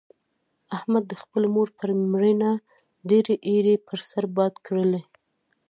احمد د خپلې مور پر مړینه ډېرې ایرې پر سر باد کړلې.